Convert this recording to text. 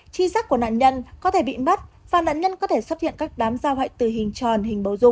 chi sát của nạn nhân có thể bị mất và nạn nhân có thể xuất hiện các đám giao hại từ hình tròn hình bấu dục